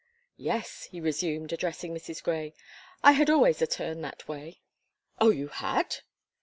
"Yes," he resumed, addressing Mrs. Gray; "I had always a turn that way." "Oh, you had!"